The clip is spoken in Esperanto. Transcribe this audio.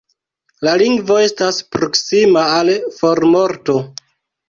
La lingvo estas proksima al formorto.